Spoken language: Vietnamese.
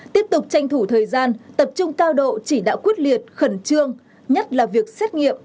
tiếp tục tranh thủ thời gian tập trung cao độ chỉ đạo quyết liệt khẩn trương nhất là việc xét nghiệm